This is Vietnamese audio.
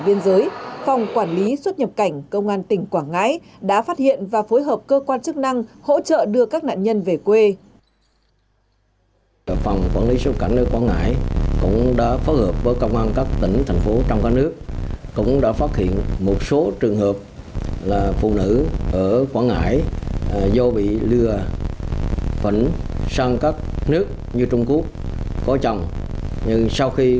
viên giới phòng quản lý xuất nhập cảnh công an tỉnh quảng ngãi đã phát hiện và phối hợp cơ quan chức năng hỗ trợ đưa các nạn nhân về quê